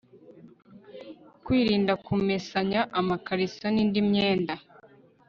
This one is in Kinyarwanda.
kwirinda kumesanya amakariso n'indi myenda